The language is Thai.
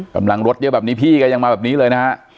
กำลังรถเยอะแบบนี้พี่ก็ยังมาแบบนี้เลยนะฮะ